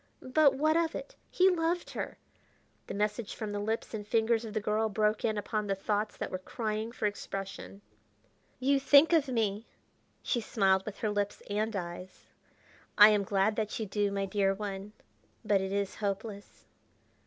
but what of it? he loved her!... The message from the lips and fingers of the girl broke in upon the thoughts that were crying for expression. "You think of me." She smiled with her lips and eyes. "I am glad that you do, my dear one, but it is hopeless.